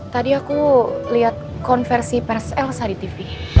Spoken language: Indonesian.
tadi aku lihat konversi pers elsa di tv